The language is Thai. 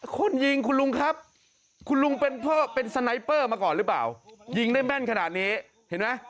คุณยิงคุณลุงครับคุณลุงเป็นพ่อเป็นสไนเปอร์มาก่อนหรือเปล่ายิงได้แม่นขนาดนี้เห็นไหม